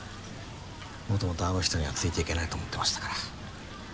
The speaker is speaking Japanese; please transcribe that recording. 元々あの人にはついていけないと思ってましたから。